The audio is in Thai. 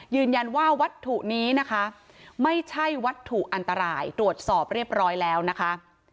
ยืนยันว่าวัตถุนี้นะคะไม่ใช่วัตถุอันตรายตรวจสอบเรียบร้อยแล้วนะคะ